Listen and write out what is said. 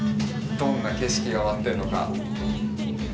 どんな景色が待ってるのか。